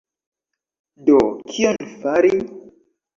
Do, kion fari?